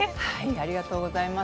ありがとうございます。